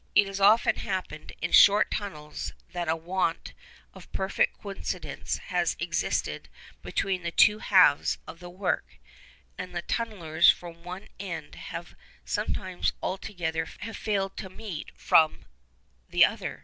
It has often happened in short tunnels that a want of perfect coincidence has existed between the two halves of the work, and the tunnellers from one end have sometimes altogether failed to meet those from the other.